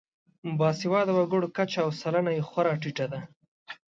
باسواده وګړو کچه او سلنه یې خورا ټیټه ده.